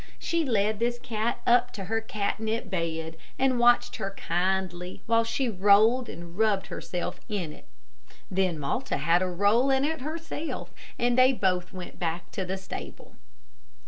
She led this cat up to her catnip bed, and watched her kindly, while she rolled and rubbed herself in it. Then Malta had a roll in it herself, and they both went back to the stable.